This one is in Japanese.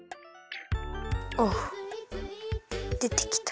おっでてきた。